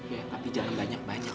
ya tapi jangan banyak banyak mai